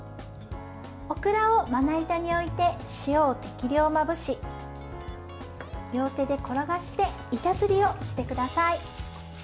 オクラをまな板に置いて塩を適量まぶし両手で転がして板ずりをしてください。